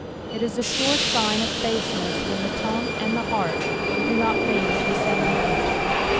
it is a sure sign of baseness when the tongue and the heart do not ring to the same iiol«.